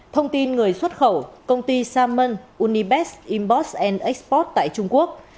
thông tin người xuất khẩu công ty salmon unibest inbox export tại trung quốc